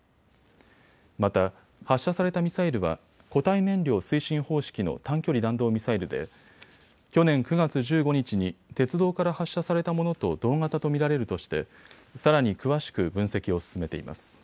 また、発射されたミサイルは固体燃料推進方式の短距離弾道ミサイルで去年９月１５日に鉄道から発射されたものと同型と見られるとして、さらに詳しく分析を進めています。